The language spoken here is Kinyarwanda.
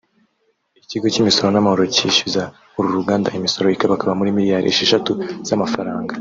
Ikigo cy’imisoro n’amahoro cyishyuza uru ruganda imisoro ikabakaba muri miliyari esheshatu z’amafaranga